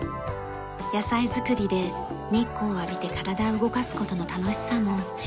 野菜づくりで日光を浴びて体を動かす事の楽しさも知りました。